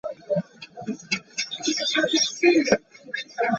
Now it is under the West Bengal University of Health Sciences.